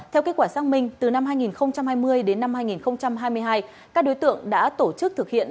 theo kết quả xác minh từ năm hai nghìn hai mươi đến năm hai nghìn hai mươi hai các đối tượng đã tổ chức thực hiện